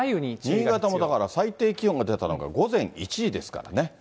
新潟もだから、最低気温が出たのが午前１時ですからね。